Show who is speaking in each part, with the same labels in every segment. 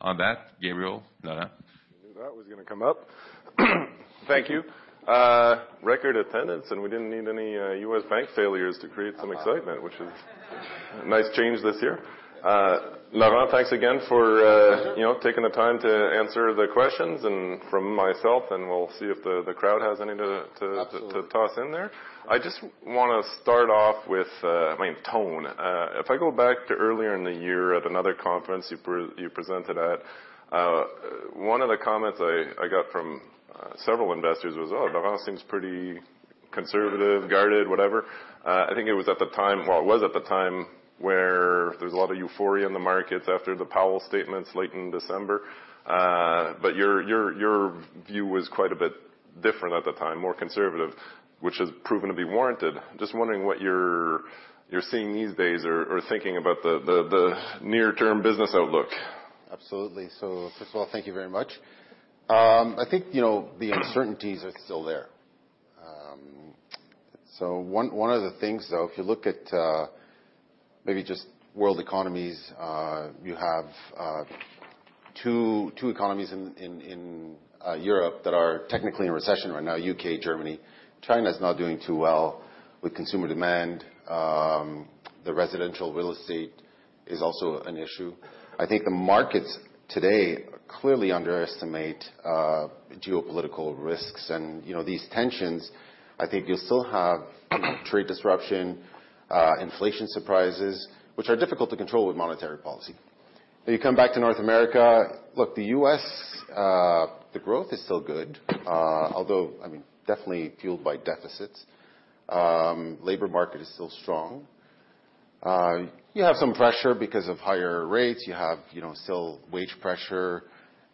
Speaker 1: On that, Gabriel Dechaine?
Speaker 2: You knew that was going to come up. Thank you. Record attendance, and we didn't need any U.S. bank failures to create some excitement, which is a nice change this year. Laurent, thanks again for, you know, taking the time to answer the questions from myself, and we'll see if the crowd has any to toss in there. I just want to start off with, I mean, tone. If I go back to earlier in the year at another conference you presented at, one of the comments I got from several investors was, "Oh, Laurent seems pretty conservative, guarded, whatever." I think it was at the time. Well, it was at the time where there's a lot of euphoria in the markets after the Powell statements late in December. But your view was quite a bit different at the time, more conservative, which has proven to be warranted. Just wondering what you're seeing these days or thinking about the near-term business outlook.
Speaker 3: Absolutely. So first of all, thank you very much. I think, you know, the uncertainties are still there. So one of the things, though, if you look at, maybe just world economies, you have two economies in Europe that are technically in recession right now: U.K., Germany. China's not doing too well with consumer demand. The residential real estate is also an issue. I think the markets today clearly underestimate geopolitical risks. And, you know, these tensions, I think you'll still have trade disruption, inflation surprises, which are difficult to control with monetary policy. If you come back to North America, look, the U.S., the growth is still good, although, I mean, definitely fueled by deficits. Labor market is still strong. You have some pressure because of higher rates. You have, you know, still wage pressure.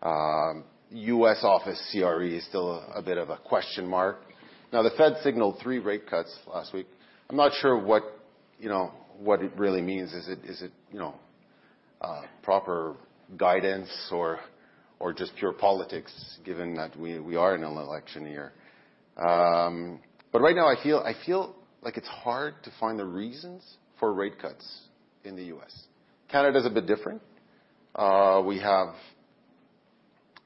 Speaker 3: U.S. Office CRE is still a bit of a question mark. Now, the Fed signaled 3 rate cuts last week. I'm not sure what, you know, what it really means. Is it, you know, proper guidance or just pure politics, given that we are in an election year? But right now I feel like it's hard to find the reasons for rate cuts in the U.S. Canada's a bit different. We have, you know,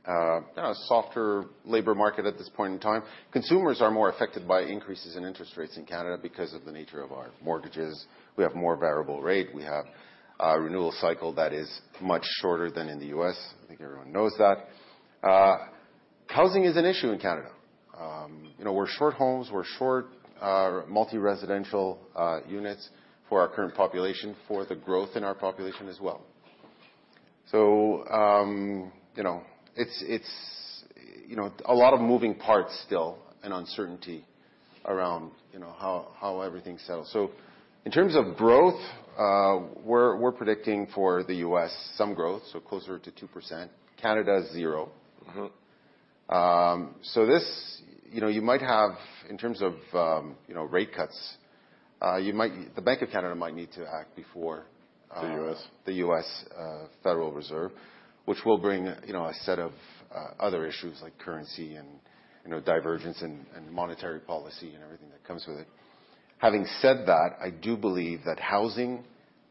Speaker 3: a softer labor market at this point in time. Consumers are more affected by increases in interest rates in Canada because of the nature of our mortgages. We have more variable rate. We have a renewal cycle that is much shorter than in the U.S. I think everyone knows that. Housing is an issue in Canada. You know, we're short homes. We're short, multi-residential, units for our current population, for the growth in our population as well. So, you know, it's, you know, a lot of moving parts still and uncertainty around, you know, how everything settles. So in terms of growth, we're predicting for the U.S. some growth, so closer to 2%. Canada's 0%.
Speaker 2: Mm-hmm.
Speaker 3: This, you know, you might have in terms of, you know, rate cuts, you might, the Bank of Canada might need to act before, the U.S. Federal Reserve, which will bring, you know, a set of other issues like currency and, you know, divergence and monetary policy and everything that comes with it. Having said that, I do believe that housing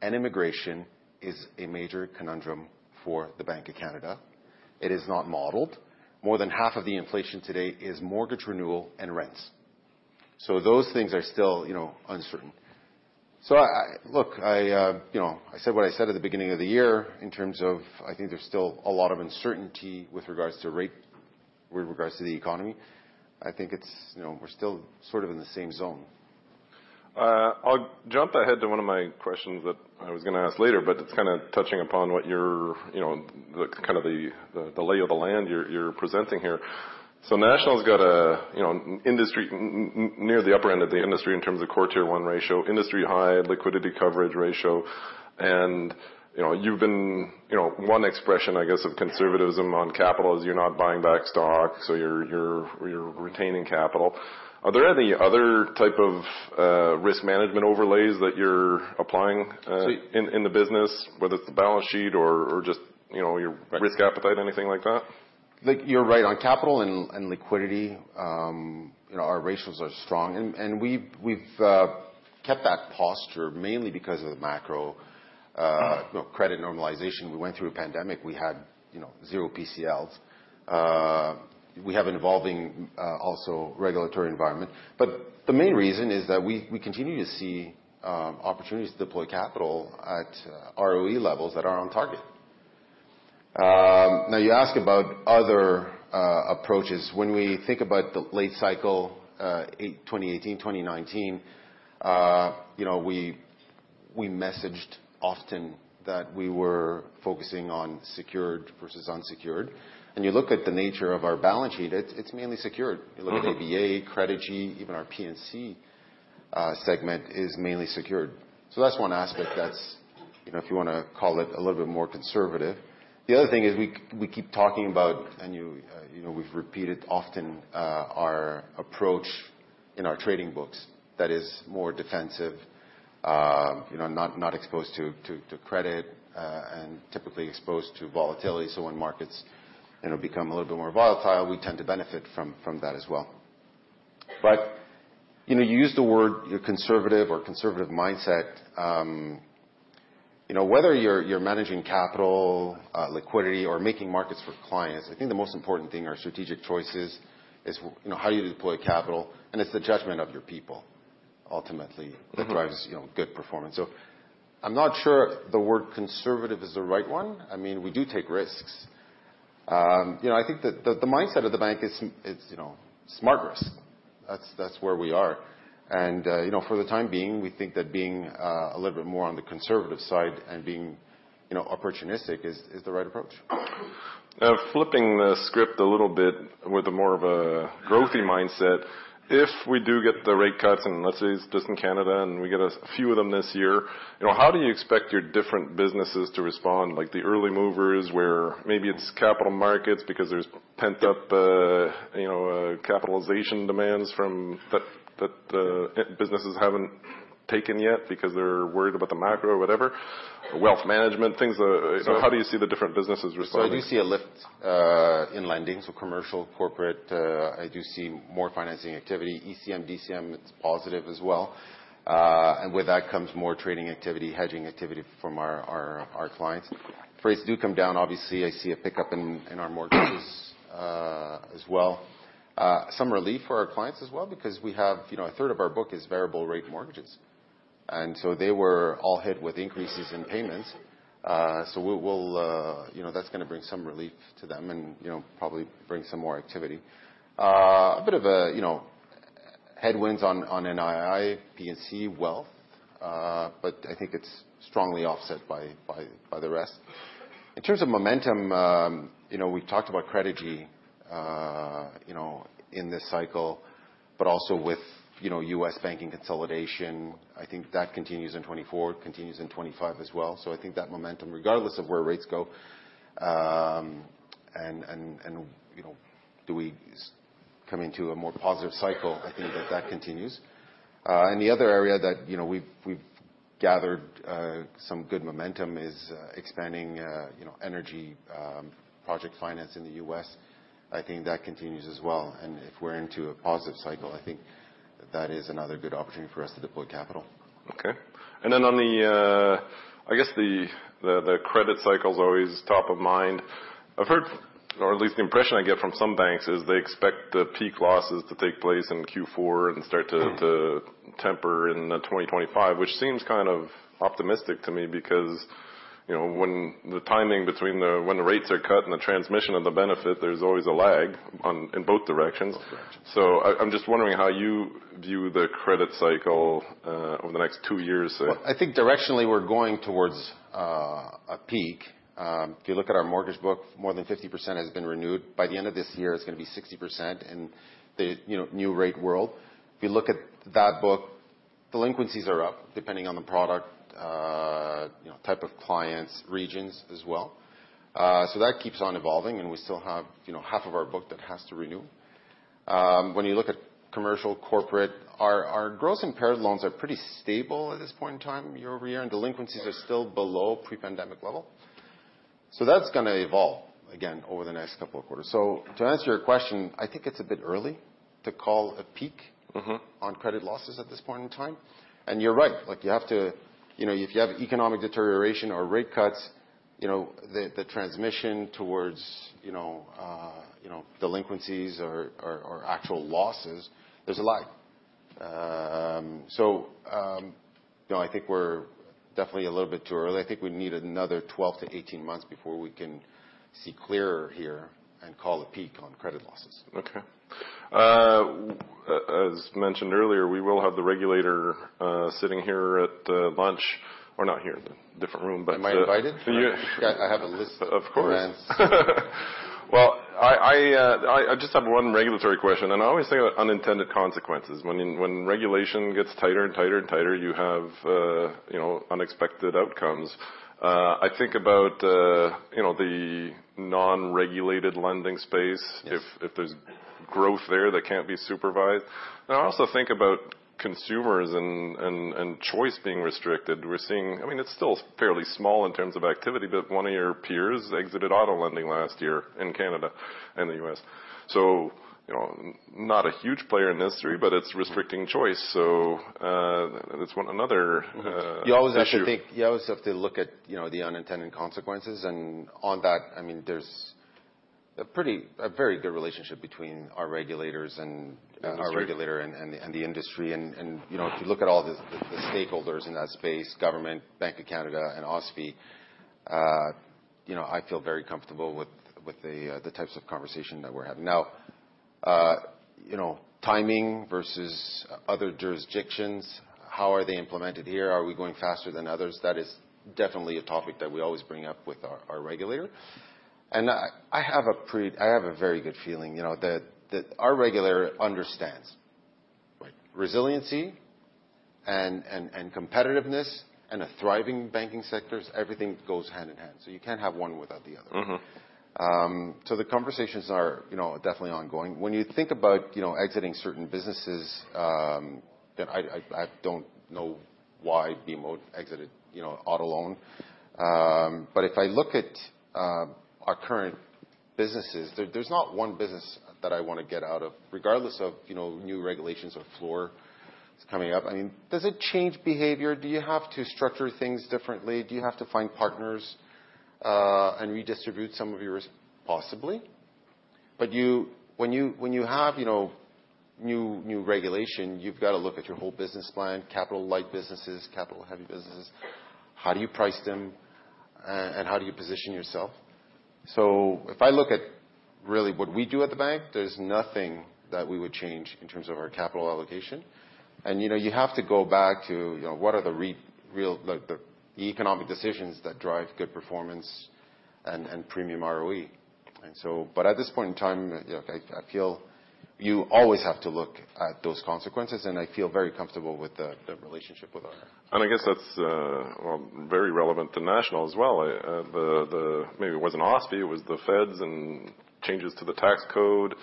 Speaker 3: and immigration is a major conundrum for the Bank of Canada. It is not modeled. More than half of the inflation today is mortgage renewal and rents. So those things are still, you know, uncertain. So I, I look, I, you know, I said what I said at the beginning of the year in terms of I think there's still a lot of uncertainty with regards to rate with regards to the economy. I think it's, you know, we're still sort of in the same zone.
Speaker 2: I'll jump ahead to one of my questions that I was going to ask later, but it's kind of touching upon what you're, you know, the kind of the lay of the land you're presenting here. So National's got a, you know, industry near the upper end of the industry in terms of Core Tier 1 Ratio, industry high Liquidity Coverage Ratio. And, you know, you've been, you know, one expression, I guess, of conservatism on capital is you're not buying back stock, so you're retaining capital. Are there any other type of risk management overlays that you're applying?
Speaker 3: See.
Speaker 2: In the business, whether it's the balance sheet or just, you know, your risk appetite, anything like that?
Speaker 3: Look, you're right. On capital and liquidity, you know, our ratios are strong. And we've kept that posture mainly because of the macro, you know, credit normalization. We went through a pandemic. We had, you know, zero PCLs. We have an evolving, also regulatory environment. But the main reason is that we continue to see opportunities to deploy capital at ROE levels that are on target. Now you ask about other approaches. When we think about the late cycle, 2018, 2019, you know, we messaged often that we were focusing on secured versus unsecured. And you look at the nature of our balance sheet, it's mainly secured. You look at ABA, Credigy, even our P&C segment is mainly secured. So that's one aspect that's, you know, if you want to call it a little bit more conservative. The other thing is we keep talking about and you know, we've repeated often, our approach in our trading books that is more defensive, you know, not exposed to credit, and typically exposed to volatility. So when markets you know become a little bit more volatile, we tend to benefit from that as well. But you know, you used the word you're conservative or conservative mindset. You know, whether you're managing capital, liquidity, or making markets for clients, I think the most important thing are strategic choices, is you know how you deploy capital. And it's the judgment of your people, ultimately, that drives you know good performance. So I'm not sure the word conservative is the right one. I mean, we do take risks. You know, I think that the mindset of the bank is you know smart risk. That's where we are. You know, for the time being, we think that being a little bit more on the conservative side and being opportunistic is the right approach.
Speaker 2: Flipping the script a little bit with more of a growthy mindset, if we do get the rate cuts and let's say it's just in Canada and we get a few of them this year, you know, how do you expect your different businesses to respond? Like the early movers where maybe it's capital markets because there's pent-up, you know, capitalization demands from that, that, businesses haven't taken yet because they're worried about the macro or whatever, wealth management, things, you know, how do you see the different businesses responding?
Speaker 3: So I do see a lift in lending, so commercial, corporate. I do see more financing activity. ECM, DCM, it's positive as well. And with that comes more trading activity, hedging activity from our clients. Rates do come down, obviously. I see a pickup in our mortgages, as well. Some relief for our clients as well because we have, you know, a third of our book is variable rate mortgages. And so they were all hit with increases in payments. So we'll, you know, that's going to bring some relief to them and, you know, probably bring some more activity. A bit of a, you know, headwinds on NII, P&C, wealth, but I think it's strongly offset by the rest. In terms of momentum, you know, we talked about Credigy, you know, in this cycle, but also with, you know, U.S. banking consolidation. I think that continues in 2024, continues in 2025 as well. So I think that momentum, regardless of where rates go, and, you know, do we come into a more positive cycle, I think that that continues. And the other area that, you know, we've gathered some good momentum is expanding, you know, energy project finance in the U.S. I think that continues as well. And if we're into a positive cycle, I think that is another good opportunity for us to deploy capital.
Speaker 2: Okay. And then on the, I guess the credit cycle's always top of mind. I've heard or at least the impression I get from some banks is they expect the peak losses to take place in Q4 and start to temper in 2025, which seems kind of optimistic to me because, you know, when the timing between when the rates are cut and the transmission of the benefit, there's always a lag on in both directions. So I'm just wondering how you view the credit cycle over the next two years, say.
Speaker 3: Well, I think directionally we're going towards a peak. If you look at our mortgage book, more than 50% has been renewed. By the end of this year, it's going to be 60% in the, you know, new rate world. If you look at that book, delinquencies are up depending on the product, you know, type of clients, regions as well. So that keeps on evolving. And we still have, you know, half of our book that has to renew. When you look at commercial, corporate, our, our gross impaired loans are pretty stable at this point in time year-over-year, and delinquencies are still below pre-pandemic level. So that's going to evolve again over the next couple of quarters. So to answer your question, I think it's a bit early to call a peak.
Speaker 2: Mm-hmm.
Speaker 3: On credit losses at this point in time. And you're right. Like, you have to, you know, if you have economic deterioration or rate cuts, you know, the transmission towards, you know, delinquencies or actual losses, there's a lag. So, you know, I think we're definitely a little bit too early. I think we need another 12-18 months before we can see clearer here and call a peak on credit losses.
Speaker 2: Okay. As mentioned earlier, we will have the regulator sitting here at lunch or not here, the different room, but,
Speaker 3: Am I invited?
Speaker 2: You.
Speaker 3: I have a list of plans.
Speaker 2: Of course. Well, I just have one regulatory question. I always think about unintended consequences. When regulation gets tighter and tighter and tighter, you have, you know, unexpected outcomes. I think about, you know, the non-regulated lending space.
Speaker 3: Yes.
Speaker 2: If there's growth there that can't be supervised. And I also think about consumers and choice being restricted. We're seeing, I mean, it's still fairly small in terms of activity, but one of your peers exited auto lending last year in Canada and the U.S. So, you know, not a huge player in history, but it's restricting choice. So, that's one another issue.
Speaker 3: You always have to look at, you know, the unintended consequences. And on that, I mean, there's a very good relationship between our regulators and the industry. And, you know, if you look at all the stakeholders in that space, government, Bank of Canada, and OSFI, you know, I feel very comfortable with the types of conversation that we're having. Now, you know, timing versus other jurisdictions, how are they implemented here? Are we going faster than others? That is definitely a topic that we always bring up with our regulator. And I have a very good feeling, you know, that our regulator understands, like, resiliency and competitiveness and a thriving banking sector. Everything goes hand in hand. So you can't have one without the other.
Speaker 2: Mm-hmm.
Speaker 3: So the conversations are, you know, definitely ongoing. When you think about, you know, exiting certain businesses, and I, I, I don't know why BMO exited, you know, auto loan. But if I look at our current businesses, there, there's not one business that I want to get out of, regardless of, you know, new regulations or floor that's coming up. I mean, does it change behavior? Do you have to structure things differently? Do you have to find partners, and redistribute some of your risks possibly? But you when you when you have, you know, new, new regulation, you've got to look at your whole business plan, capital-light businesses, capital-heavy businesses. How do you price them? And, and how do you position yourself? So if I look at really what we do at the bank, there's nothing that we would change in terms of our capital allocation. You know, you have to go back to, you know, what are the real economic decisions that drive good performance and premium ROE? But at this point in time, you know, I feel you always have to look at those consequences. And I feel very comfortable with the relationship with our.
Speaker 2: And I guess that's, well, very relevant to National as well. Maybe it wasn't OSFI. It was the Feds and changes to the tax code.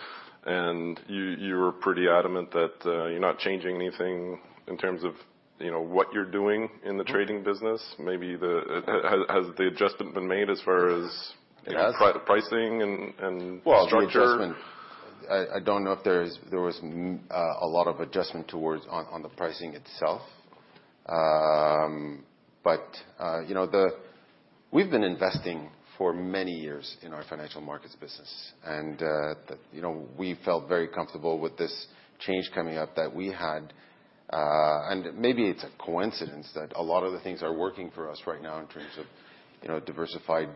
Speaker 2: And you were pretty adamant that you're not changing anything in terms of, you know, what you're doing in the trading business. Maybe that has. Has the adjustment been made as far as.
Speaker 3: Yes.
Speaker 2: Pricing and structure?
Speaker 3: Well, the adjustment, I don't know if there was a lot of adjustment towards, on the pricing itself. But you know, we've been investing for many years in our financial markets business. And you know, we felt very comfortable with this change coming up that we had. And maybe it's a coincidence that a lot of the things are working for us right now in terms of, you know, diversified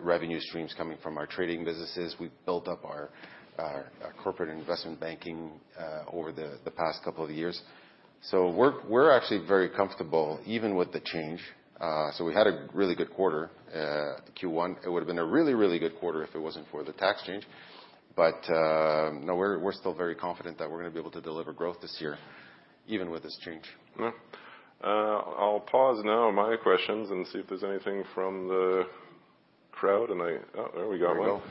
Speaker 3: revenue streams coming from our trading businesses. We've built up our corporate investment banking over the past couple of years. So we're actually very comfortable even with the change. So we had a really good quarter, Q1. It would have been a really, really good quarter if it wasn't for the tax change. But, no, we're still very confident that we're going to be able to deliver growth this year even with this change.
Speaker 2: Yeah. I'll pause now my questions and see if there's anything from the crowd. And I oh, there we go.
Speaker 3: There we go.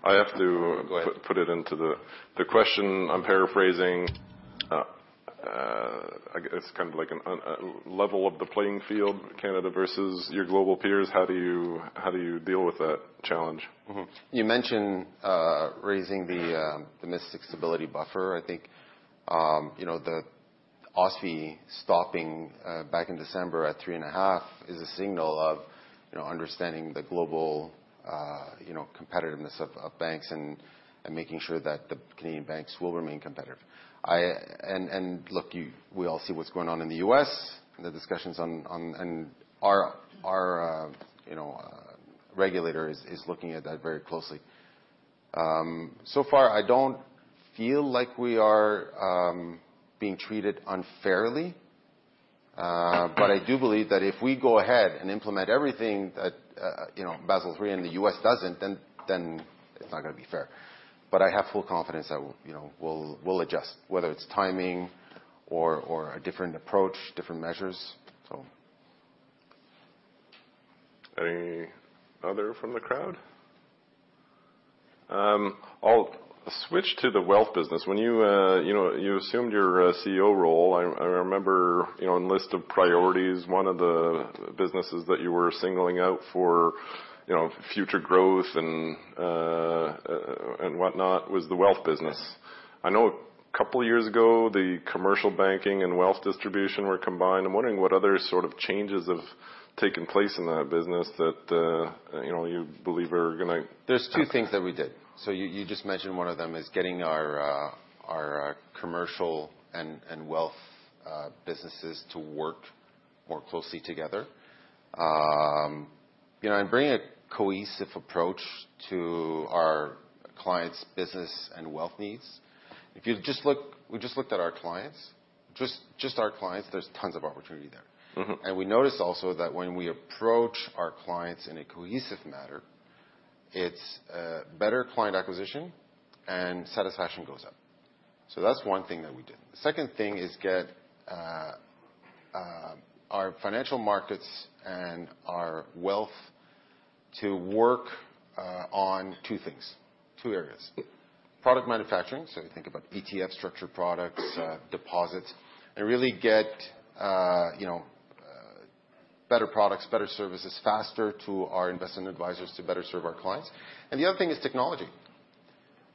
Speaker 2: I have to put it into the question. I'm paraphrasing. I guess kind of like a level of the playing field, Canada versus your global peers, how do you deal with that challenge?
Speaker 3: Mm-hmm. You mentioned raising the Domestic Stability Buffer. I think, you know, the OSFI stopping back in December at 3.5 is a signal of, you know, understanding the global, you know, competitiveness of, of banks and, and making sure that the Canadian banks will remain competitive. I and, and look, you we all see what's going on in the U.S. The discussions on, on and our, our, you know, regulator is, is looking at that very closely. So far, I don't feel like we are being treated unfairly. But I do believe that if we go ahead and implement everything that, you know, Basel III and the U.S. doesn't, then, then it's not going to be fair. But I have full confidence that we'll, you know, we'll, we'll adjust, whether it's timing or, or a different approach, different measures, so.
Speaker 2: Any other from the crowd? I'll switch to the wealth business. When you, you know, assumed your Chief Executive Officer role, I remember, you know, in list of priorities, one of the businesses that you were singling out for, you know, future growth and whatnot was the wealth business. I know a couple of years ago, the commercial banking and wealth distribution were combined. I'm wondering what other sort of changes have taken place in that business that, you know, you believe are going to.
Speaker 3: There's two things that we did. So you just mentioned one of them is getting our commercial and wealth businesses to work more closely together, you know, and bringing a cohesive approach to our clients' business and wealth needs. If you just look, we just looked at our clients, just our clients, there's tons of opportunity there.
Speaker 2: Mm-hmm.
Speaker 3: We noticed also that when we approach our clients in a cohesive manner, it's better client acquisition and satisfaction goes up. So that's one thing that we did. The second thing is get our Financial Markets and our wealth to work on two things, two areas. Product manufacturing. So you think about ETF-structured products, deposits, and really get you know better products, better services faster to our investment advisors to better serve our clients. The other thing is technology.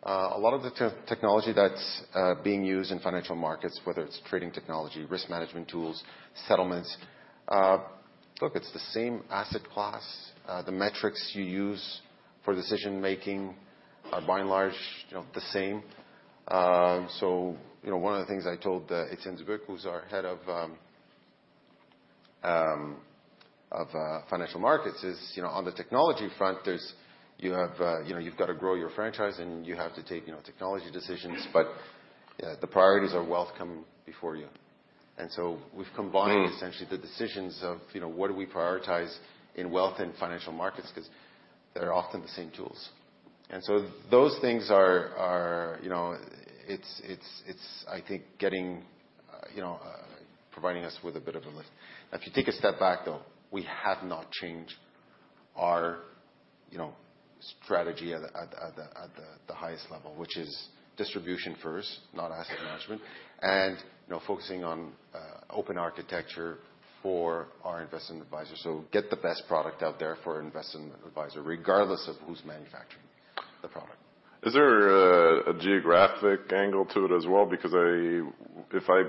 Speaker 3: A lot of the technology that's being used in Financial Markets, whether it's trading technology, risk management tools, settlements. Look, it's the same asset class. The metrics you use for decision-making are, by and large, you know, the same. So, you know, one of the things I told Étienne Dubuc, who's our head of Financial Markets, is, you know, on the technology front, there's you have, you know, you've got to grow your franchise, and you have to take, you know, technology decisions. But, yeah, the priorities are wealth come before you. And so we've combined essentially the decisions of, you know, what do we prioritize in wealth and Financial Markets because they're often the same tools. And so those things are, you know, it's, I think, getting, you know, providing us with a bit of a lift. Now, if you take a step back, though, we have not changed our, you know, strategy at the highest level, which is distribution first, not asset management, and, you know, focusing on open architecture for our investment advisor. Get the best product out there for an investment advisor, regardless of who's manufacturing the product.
Speaker 2: Is there a geographic angle to it as well? Because if I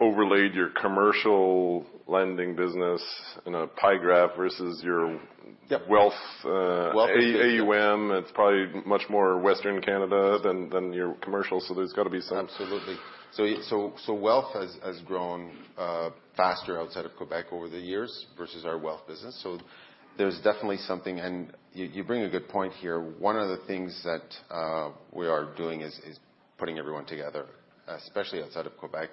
Speaker 2: overlaid your commercial lending business in a pie graph versus your wealth,
Speaker 3: Wealth AUM.
Speaker 2: AUM, it's probably much more Western Canada than your commercial. So there's got to be some.
Speaker 3: Absolutely. So wealth has grown faster outside of Quebec over the years versus our wealth business. So there's definitely something and you bring a good point here. One of the things that we are doing is putting everyone together, especially outside of Quebec,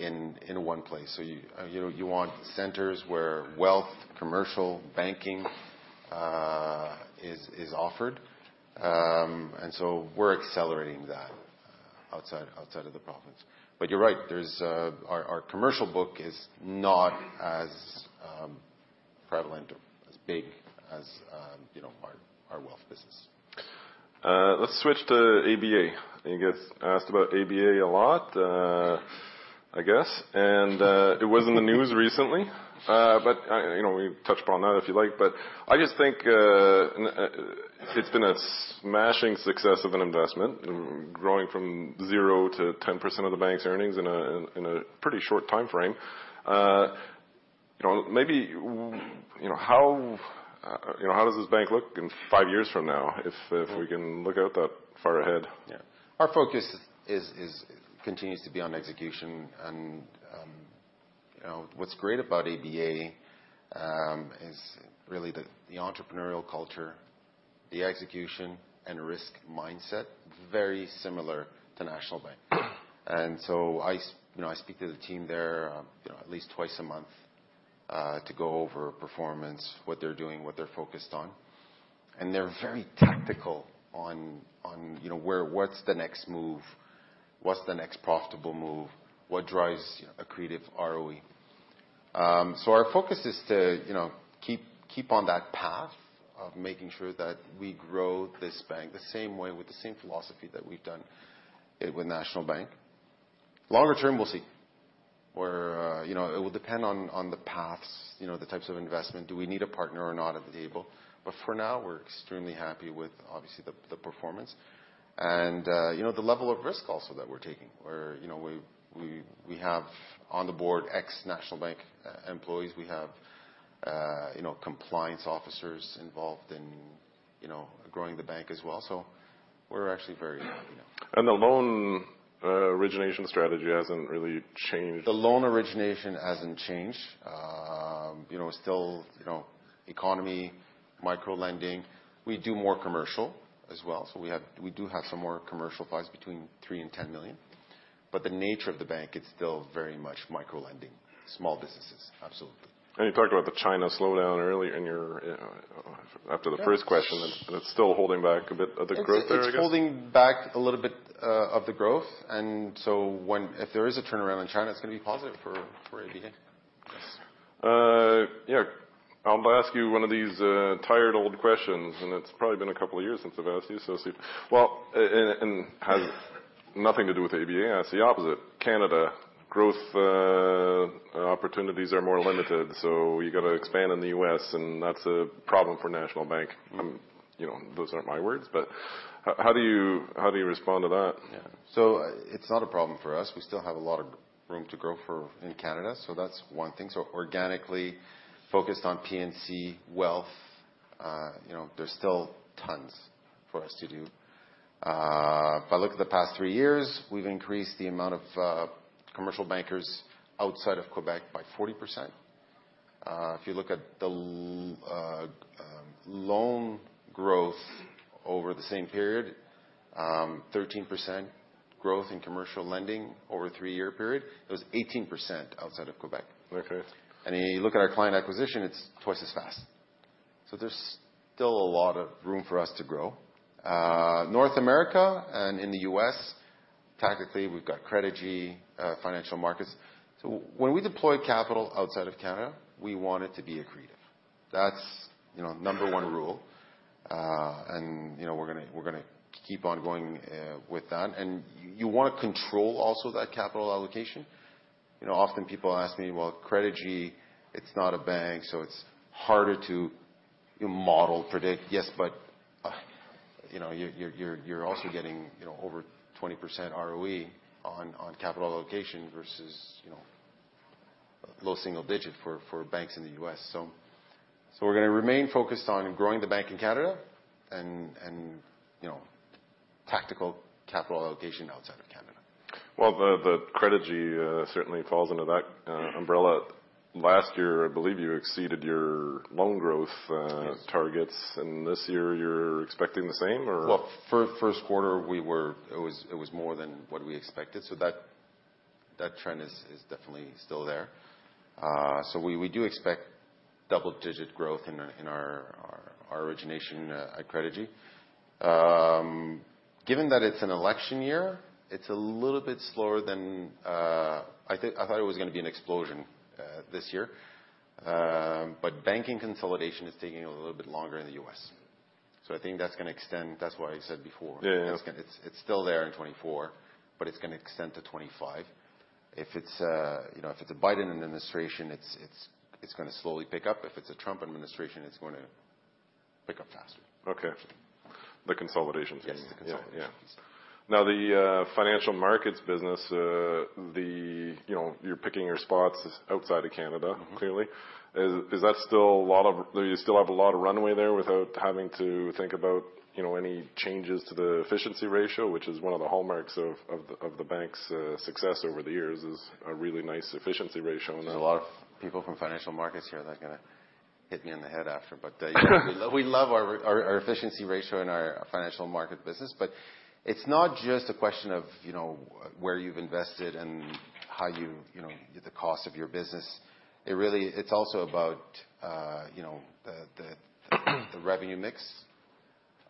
Speaker 3: in one place. So you know, you want centers where wealth, commercial, banking, is offered. And so we're accelerating that, outside of the province. But you're right. Our commercial book is not as prevalent or as big as, you know, our wealth business.
Speaker 2: Let's switch to ABA. You get asked about ABA a lot, I guess. It was in the news recently. But I, you know, we touched upon that if you like. But I just think, it's been a smashing success of an investment, growing from 0%-10% of the bank's earnings in a pretty short time frame. You know, maybe, you know, how, you know, how does this bank look in five years from now if, if we can look out that far ahead?
Speaker 3: Yeah. Our focus continues to be on execution. And, you know, what's great about ABA is really the entrepreneurial culture, the execution, and risk mindset, very similar to National Bank. And so I, you know, speak to the team there, you know, at least twice a month, to go over performance, what they're doing, what they're focused on. And they're very tactical on, you know, where what's the next move, what's the next profitable move, what drives, you know, a creative ROE. So our focus is to, you know, keep on that path of making sure that we grow this bank the same way with the same philosophy that we've done with National Bank. Longer term, we'll see where, you know, it will depend on the paths, you know, the types of investment. Do we need a partner or not at the table? But for now, we're extremely happy with, obviously, the performance. And, you know, the level of risk also that we're taking where, you know, we have on the board ex-National Bank employees. We have, you know, compliance officers involved in, you know, growing the bank as well. So we're actually very happy, you know.
Speaker 2: The loan origination strategy hasn't really changed.
Speaker 3: The loan origination hasn't changed. You know, still, you know, economy, microlending. We do more commercial as well. So we do have some more commercial funds between 3 million and 10 million. But the nature of the bank, it's still very much microlending, small businesses, absolutely.
Speaker 2: You talked about the China slowdown earlier in your, after the first question.
Speaker 3: Yeah.
Speaker 2: That's still holding back a bit of the growth there, I guess.
Speaker 3: It's holding back a little bit of the growth. And so when if there is a turnaround in China, it's going to be positive for ABA. Yes.
Speaker 2: Yeah. I'll ask you one of these tired, old questions. And it's probably been a couple of years since I've asked you. So, well, and it has nothing to do with ABA. It has the opposite. Canada growth opportunities are more limited. So you got to expand in the U.S. And that's a problem for National Bank. I mean, you know, those aren't my words. But how do you respond to that?
Speaker 3: Yeah. So it's not a problem for us. We still have a lot of room to grow for in Canada. So that's one thing. So organically focused on P&C, wealth, you know, there's still tons for us to do. If I look at the past three years, we've increased the amount of commercial bankers outside of Quebec by 40%. If you look at the loan growth over the same period, 13% growth in commercial lending over a three-year period. It was 18% outside of Quebec.
Speaker 2: Okay.
Speaker 3: You look at our client acquisition, it's twice as fast. So there's still a lot of room for us to grow. North America and in the U.S., tactically, we've got Credigy, Financial Markets. So when we deploy capital outside of Canada, we want it to be accretive. That's, you know, number one rule. You know, we're going to keep on going with that. You want to control also that capital allocation. You know, often, people ask me, "Well, Credigy, it's not a bank, so it's harder to, you know, model, predict." Yes, but, you know, you're also getting, you know, over 20% ROE on capital allocation versus, you know, low single digit for banks in the U.S. So, we're going to remain focused on growing the bank in Canada and, you know, tactical capital allocation outside of Canada.
Speaker 2: Well, the credit growth certainly falls under that umbrella. Last year, I believe you exceeded your loan growth targets. And this year, you're expecting the same, or?
Speaker 3: Well, first quarter, it was more than what we expected. So that trend is definitely still there. So we do expect double-digit growth in our origination at Credigy. Given that it's an election year, it's a little bit slower than I thought it was going to be an explosion this year. But banking consolidation is taking a little bit longer in the U.S. So I think that's going to extend. That's why I said before.
Speaker 2: Yeah, yeah.
Speaker 3: That's going to. It's still there in 2024, but it's going to extend to 2025. If it's, you know, if it's a Biden administration, it's going to slowly pick up. If it's a Trump administration, it's going to pick up faster.
Speaker 2: Okay. The consolidation thing.
Speaker 3: Yes, the consolidation piece.
Speaker 2: Yeah, yeah. Now, the Financial Markets business, you know, you're picking your spots outside of Canada, clearly.
Speaker 3: Mm-hmm.
Speaker 2: Is that still a lot of do you still have a lot of runway there without having to think about, you know, any changes to the efficiency ratio, which is one of the hallmarks of the bank's success over the years, is a really nice efficiency ratio in that?
Speaker 3: There's a lot of people from Financial Markets here that are going to hit me on the head after. But, yeah, we love our efficiency ratio in our Financial Markets business. But it's not just a question of, you know, where you've invested and how you, you know, the cost of your business. It really it's also about, you know, the revenue mix,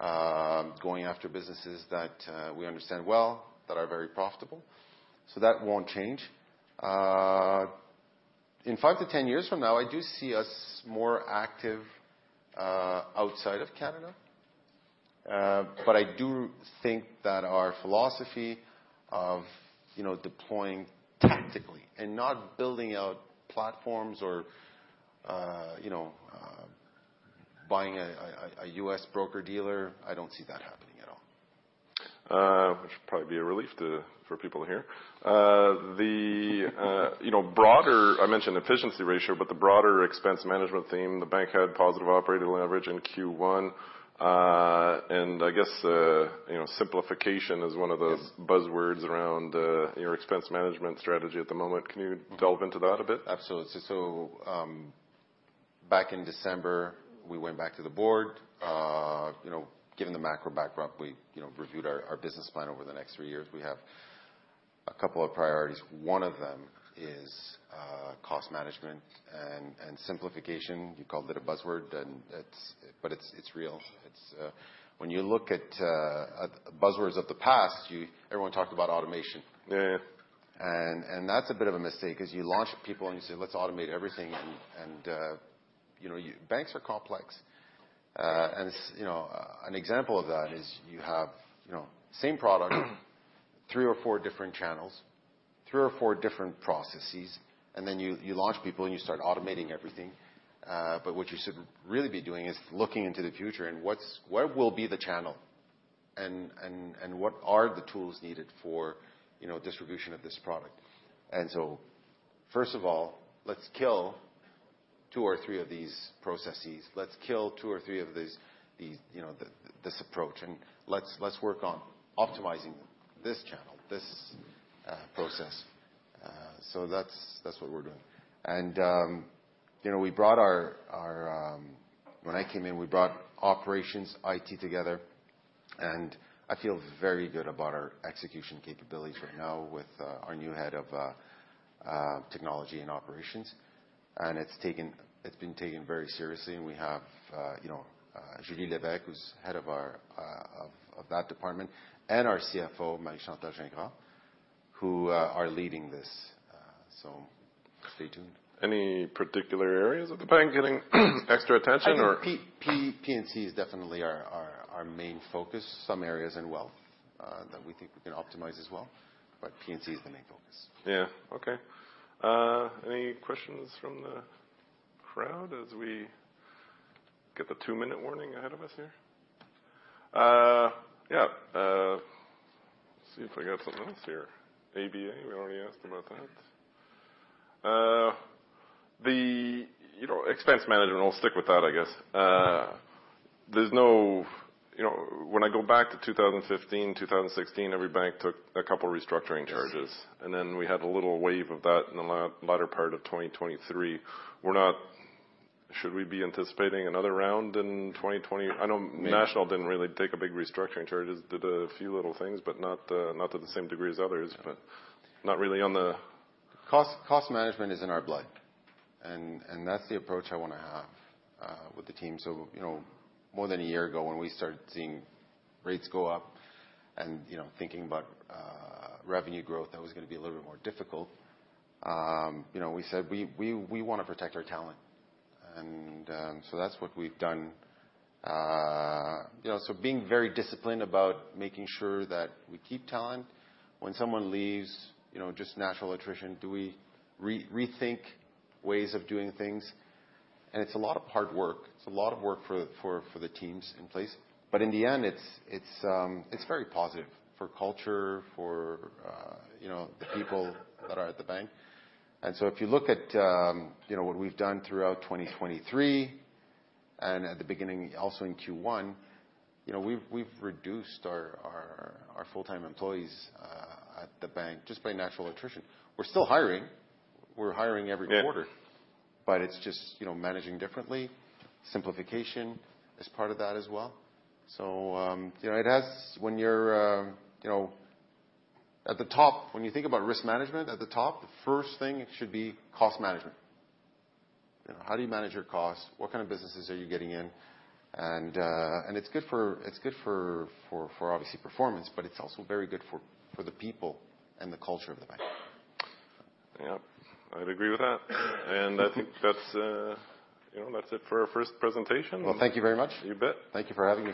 Speaker 3: going after businesses that we understand well that are very profitable. So that won't change. In five to 10 years from now, I do see us more active outside of Canada. But I do think that our philosophy of, you know, deploying tactically and not building out platforms or, you know, buying a U.S. broker-dealer, I don't see that happening at all.
Speaker 2: Which would probably be a relief for people to hear. You know, broader I mentioned efficiency ratio, but the broader expense management theme, the bank had positive operating leverage in Q1. And I guess, you know, simplification is one of the buzzwords around your expense management strategy at the moment. Can you delve into that a bit?
Speaker 3: Absolutely. Back in December, we went back to the board. You know, given the macro backdrop, we, you know, reviewed our, our business plan over the next three years. We have a couple of priorities. One of them is cost management and, and simplification. You called it a buzzword, and it's but it's, it's real. It's, when you look at buzzwords of the past, you everyone talked about automation.
Speaker 2: Yeah, yeah.
Speaker 3: That's a bit of a mistake because you launch people and you say, "Let's automate everything." You know, banks are complex. It's, you know, an example of that is you have, you know, same product, three or four different channels, three or four different processes. Then you launch people and you start automating everything. But what you should really be doing is looking into the future and what the channel will be and what are the tools needed for, you know, distribution of this product. So first of all, let's kill two or three of these processes. Let's kill two or three of these, you know, this approach. Let's work on optimizing this channel, this process. So that's what we're doing. You know, when I came in, we brought our operations, IT together. And I feel very good about our execution capabilities right now with our new head of technology and operations. And it's been taken very seriously. And we have, you know, Julie Lévesque, who's head of our that department, and our Chief Financial Officer, Marie-Chantal Gingras, who are leading this. So stay tuned.
Speaker 2: Any particular areas of the bank getting extra attention, or?
Speaker 3: I think P&C is definitely our main focus, some areas and wealth, that we think we can optimize as well. But P&C is the main focus.
Speaker 2: Yeah. Okay. Any questions from the crowd as we get the two-minute warning ahead of us here? Yeah. Let's see if I got something else here. ABA. We already asked about that. The, you know, expense management. We'll stick with that, I guess. There's no, you know, when I go back to 2015, 2016, every bank took a couple of restructuring charges. And then we had a little wave of that in the latter part of 2023. We're not. Should we be anticipating another round in 2020? I know National didn't really take a big restructuring charges. Did a few little things, but not, not to the same degree as others. But not really on the.
Speaker 3: Cost management is in our blood. And that's the approach I want to have with the team. So, you know, more than a year ago, when we started seeing rates go up and, you know, thinking about revenue growth, that was going to be a little bit more difficult. You know, we said, "We want to protect our talent." And so that's what we've done. You know, so being very disciplined about making sure that we keep talent. When someone leaves, you know, just natural attrition, do we rethink ways of doing things? And it's a lot of hard work. It's a lot of work for the teams in place. But in the end, it's very positive for culture, for, you know, the people that are at the bank. And so if you look at, you know, what we've done throughout 2023 and at the beginning, also in Q1, you know, we've reduced our full-time employees at the bank just by natural attrition. We're still hiring. We're hiring every quarter.
Speaker 2: Yeah.
Speaker 3: But it's just, you know, managing differently. Simplification is part of that as well. So, you know, it has when you're, you know, at the top, when you think about risk management at the top, the first thing should be cost management. You know, how do you manage your costs? What kind of businesses are you getting in? And it's good for, obviously, performance, but it's also very good for the people and the culture of the bank.
Speaker 2: Yep. I'd agree with that. I think that's, you know, that's it for our first presentation.
Speaker 3: Well, thank you very much.
Speaker 2: You bet.
Speaker 3: Thank you for having me.